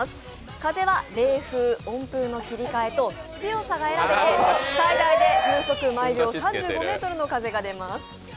風は冷風、温風の切り替えと強さが選べて、最大で風速毎秒３５メートルの風が出ます。